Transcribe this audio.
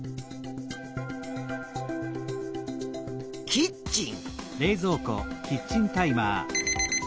キッチン。